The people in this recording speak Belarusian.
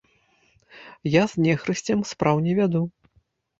Я з нехрысцем спраў не вяду.